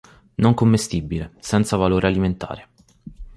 Non commestibile, senza valore alimentare.